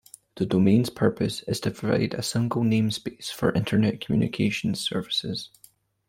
The domain's purpose is to provide a single name space for Internet communications services.